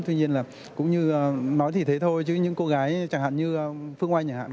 tuy nhiên là cũng như nói thì thế thôi chứ những cô gái chẳng hạn như phương oanh chẳng hạn